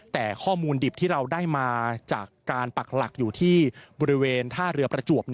แต่ข้อมูลดิบที่เราได้มาจากการปักหลักอยู่ที่บริเวณท่าเรือประจวบ